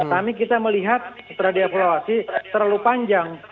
kami kita melihat setelah diapluasi terlalu panjang